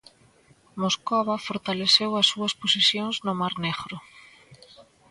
Moscova fortaleceu as súas posicións no Mar Negro.